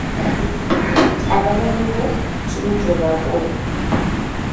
Abalabe bo kirungi obaagale.